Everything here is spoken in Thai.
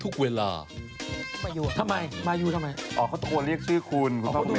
อ๋อเขาต้องกูเรียกซื้อคุณ